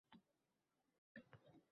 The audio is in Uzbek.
O'glingiz Husayin.